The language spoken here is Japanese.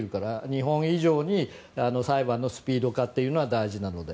日本以上に裁判のスピード化というのは大事なので。